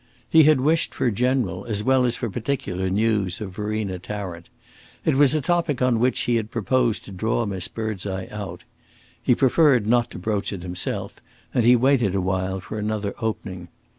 He had wished for general, as well as for particular, news of Verena Tarrant; it was a topic on which he had proposed to draw Miss Birdseye out. He preferred not to broach it himself, and he waited awhile for another opening.